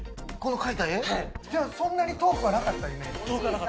そんなに遠くはなかったイメージ。